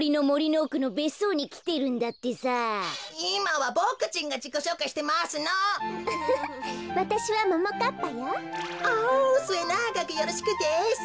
おすえながくよろしくです。